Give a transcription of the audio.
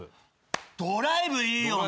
ドライブいいよね。